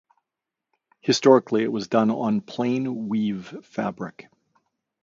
Historically it was done on plain weave fabric.